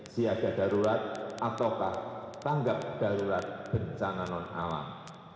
si ada darurat ataukah tanggap darurat bencangan non alang